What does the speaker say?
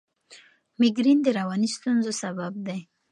مېګرین د رواني ستونزو سبب دی.